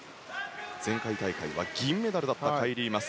前回大会は銀メダルだったカイリー・マス。